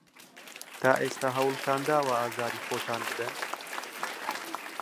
تا ئێستا هەوڵتان داوە ئازاری خۆتان بدەن؟